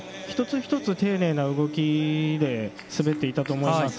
一つ一つ丁寧な動きで滑っていたと思います。